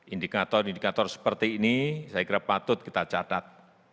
indikator indikator seperti ini saya kira patut kita catat